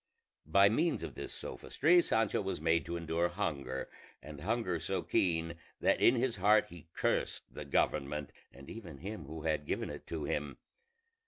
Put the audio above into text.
By means of this sophistry Sancho was made to endure hunger, and hunger so keen that in his heart he cursed the government and even him who had given it to him.